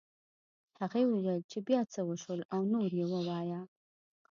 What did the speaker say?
هغې وویل چې بيا څه وشول او نور یې ووایه